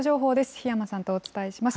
檜山さんとお伝えします。